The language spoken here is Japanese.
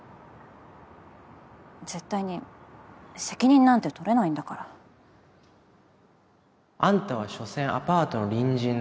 絶対に責任なんて取れないんだから。あんたはしょせんアパートの隣人だ。